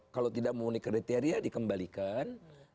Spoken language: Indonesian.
kalau tidak memenuhi kriteria dikembalikan